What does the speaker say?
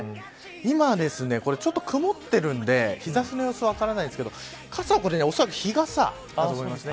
今は、ちょっと曇ってるんで日差しの様子は分からないですけど傘はおそらく日傘だと思います。